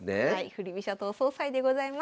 振り飛車党総裁でございます。